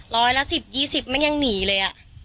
ร้อยละ๑๐๒๐มันยังหนีเลย